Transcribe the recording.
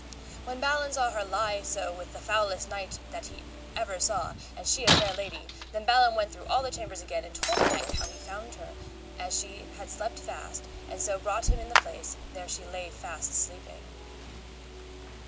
When Balin saw her lie so with the foulest knight that ever he saw, and she a fair lady, then Balin went through all the chambers again, and told the knight how he found her as she had slept fast, and so brought him in the place there she lay fast sleeping.